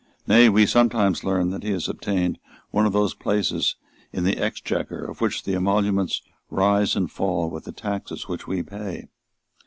Nay, we sometimes learn that he has obtained one of those places in the Exchequer of which the emoluments rise and fall with the taxes which we pay.